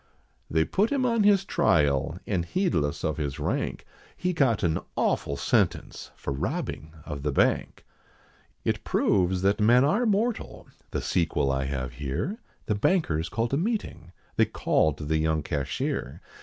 They put him on his trial, and heedless of his rank, He got an awful sentence, for robbing of the Bank. It proves that men are mortal, the sequel I have here, The bankers called a meeting, they called the young cashier.